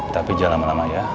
tapi jangan lama lama ya